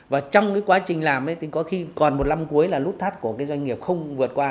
và trong cái quá trình làm ấy thì có khi còn một năm cuối là nút thắt của cái doanh nghiệp không vượt qua